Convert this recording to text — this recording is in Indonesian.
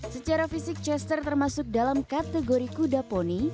secara fisik chester termasuk dalam kategori kuda poni